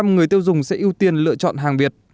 sáu mươi ba người tiêu dùng sẽ ưu tiên lựa chọn hàng việt